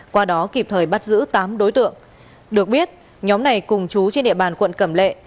qua đó kịp thời bắt giữ tám đối tượng được biết nhóm này cùng chú trên địa bàn quận cẩm lệ